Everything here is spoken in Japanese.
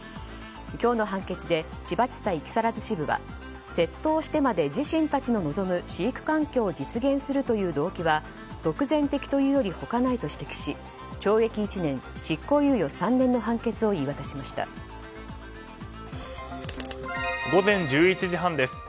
今日の判決で千葉地裁木更津支部は窃盗をしてまで自身たちの望む飼育環境を実現するという動機は独善的というより他ないと指摘し懲役１年、執行猶予３年の判決を午前１１時半です。